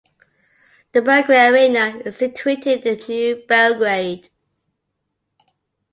The Belgrade Arena is situated in New Belgrade.